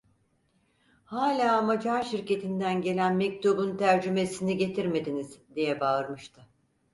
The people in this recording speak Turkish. "Hâlâ Macar şirketinden gelen mektubun tercümesini getirmediniz!" diye bağırmıştı.